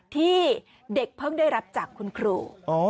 ที่เด็กเพิ่งได้รับจากคุณครู